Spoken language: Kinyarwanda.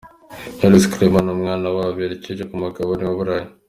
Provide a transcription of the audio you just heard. Knowless, Clement n'umwana wabo berekeje ku mugabane w'Uburayi.